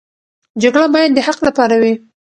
جګړه باید د حق لپاره وي.